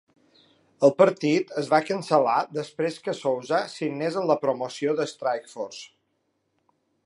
El partit es va cancel·lar després que Souza signés amb la promoció de Strikeforce.